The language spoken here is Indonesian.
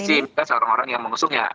simpan seorang orang yang mengusungnya